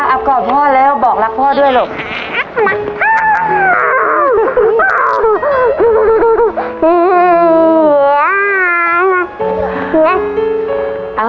อับกอบพ่อแล้วบอกรักพ่อด้วยหรือเปล่า